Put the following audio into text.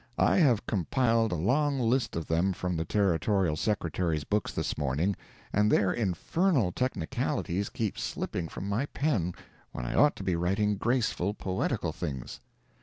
I have compiled a long list of them from the Territorial Secretary's books this morning, and their infernal technicalities keep slipping from my pen when I ought to be writing graceful poetical things.